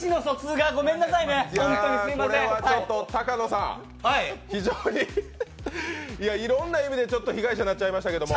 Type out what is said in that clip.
高野さん、いろいろな意味で被害者になっちゃいましたけども。